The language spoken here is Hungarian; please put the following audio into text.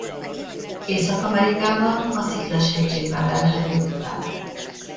Észak-Amerikában a Sziklás-hegységben lelhetők fel.